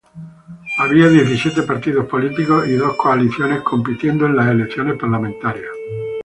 Había diecisiete partidos políticos y dos coaliciones compitiendo en las elecciones parlamentarias.